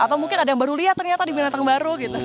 atau mungkin ada yang baru lihat ternyata di binatang baru gitu